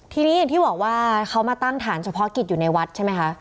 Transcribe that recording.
ทีนี้อย่างที่บอกว่าเขามาตั้งฐานเฉพาะกิจอยู่ในวัดใช่ไหมคะ